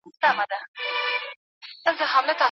د نوي ښار نوم څه و؟